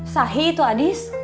sahih itu hadis